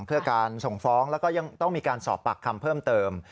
เพื่อการส่งฟ้องแล้วก็ยังต้องมีการสอบปากคำเพิ่มเติม